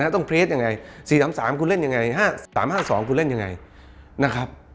ต้องเทรดยังไง๔๓คุณเล่นยังไง๕๓๕๒คุณเล่นยังไง